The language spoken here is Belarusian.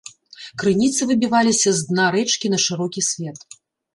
Крыніцы выбіваліся з дна рэчкі на шырокі свет.